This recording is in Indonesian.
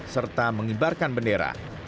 serta mengibarkan bendera